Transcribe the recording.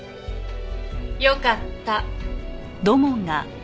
よかった。